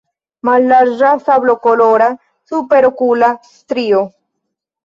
Mallarĝa sablokolora superokula strio.